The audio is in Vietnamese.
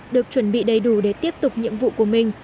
được chuẩn bị đầy đủ để tiếp tục nhiệm vụ của mình